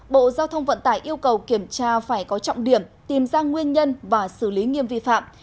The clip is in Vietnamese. bộ giao thông vận tải yêu cầu kiểm tra phải có trọng điểm tìm ra nguyên nhân và xử lý nghiêm vi phạm